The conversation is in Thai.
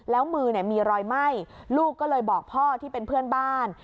แล้วมือมีรอยไหม้ลูกก็เลยบอกพ่อที่เป็นเพื่อนบ้าน